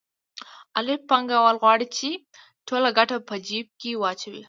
الف پانګوال غواړي چې ټوله ګټه په جېب کې واچوي